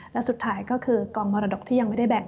และสุดท้ายก็คือกองมรดกที่ยังไม่ได้แบ่ง